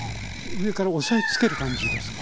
上から押さえつける感じですか？